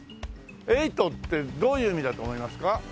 ８ってどういう意味だと思いますか？